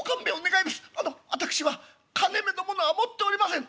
あの私は金めのものは持っておりません」。